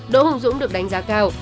đỗ hùng dũng được đánh giá cao